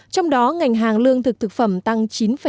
trong đó ngành hàng lương thực thực phẩm tăng chín ba